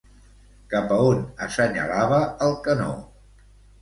Cap a on assenyalava el canó?